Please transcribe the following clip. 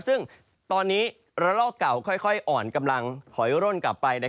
ซึ่งตอนนี้ระลอกเก่าค่อยอ่อนกำลังถอยร่นกลับไป